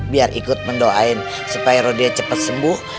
biar ikut mendoain supaya rodia cepat sembuh